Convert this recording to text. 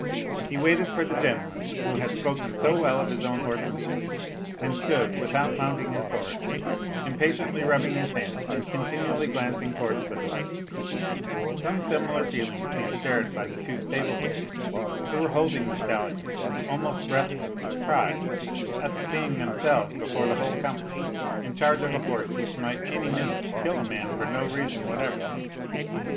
He waited for the gentleman who had spoken so well of his own horsemanship, and stood, without mounting his horse, impatiently rubbing his hands and continually glancing towards the door; some similar feeling seemed shared by the two stable boys, who were holding the stallion, almost breathless with pride at seeing themselves before the whole company in charge of a horse which might any minute kill a man for no reason whatever.